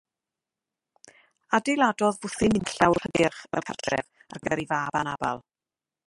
Adeiladodd fwthyn un llawr hygyrch fel cartref ar gyfer ei fab anabl.